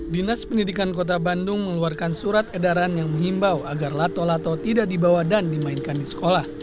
dinas pendidikan kota bandung mengeluarkan surat edaran yang menghimbau agar lato lato tidak dibawa dan dimainkan di sekolah